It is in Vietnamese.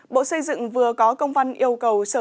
bộ xây dựng vừa có công văn yêu cầu sở xây dựng